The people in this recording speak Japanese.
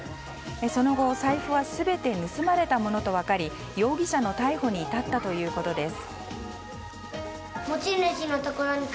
その後、財布は全て盗まれたものと分かり容疑者の逮捕に至ったということです。